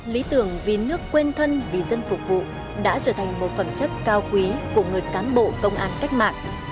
lý tưởng vì nước quên thân vì dân phục vụ đã trở thành một phẩm chất cao quý của người cán bộ công an cách mạng